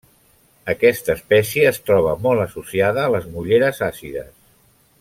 Aquesta espècie es troba molt associada a les molleres àcides.